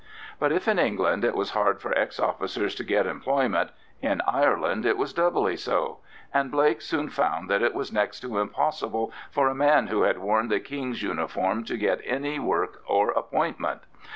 But if in England it was hard for ex officers to get employment, in Ireland it was doubly so; and Blake soon found that it was next to impossible for a man who had worn the King's uniform to get any work or appointment.